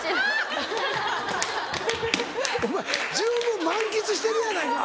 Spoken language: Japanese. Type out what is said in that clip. ハァ！お前十分満喫してるやないか。